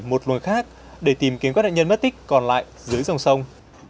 một luồng khác để tìm kiếm các nạn nhân mất tích còn lại dưới dòng sông